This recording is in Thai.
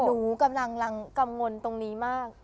หนูกำลังกังวลตรงนี้มาก